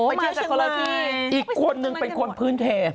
อ๋อมาจากเชิงมายอีกคนนึงเป็นคนพื้นเท